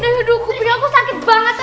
aduh kubing aku sakit banget